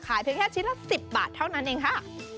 เพียงแค่ชิ้นละ๑๐บาทเท่านั้นเองค่ะ